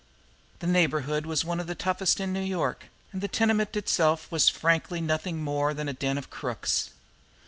The neighborhood was one of the toughest in New York, and the tenement itself was frankly nothing more than a den of crooks.